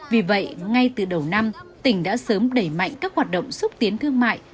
vì vậy ngay từ đầu năm tỉnh đã sớm đẩy mạnh các hoạt động xúc tiến thương mại